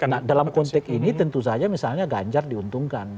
nah dalam konteks ini tentu saja misalnya ganjar diuntungkan